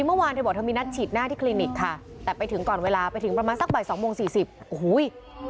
มาสักบ่าย๒โมง๔๐นาทีโอ้โหย